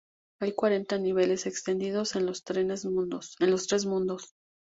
Hay cuarenta niveles extendidos en los tres mundos.